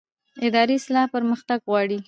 اداري اصلاح پرمختګ غواړي